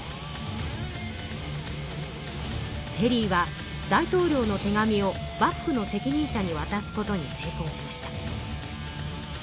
ペリーは大統領の手紙を幕府の責任者にわたすことに成功しました。